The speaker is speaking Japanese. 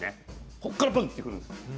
ここからブンッて振るんです。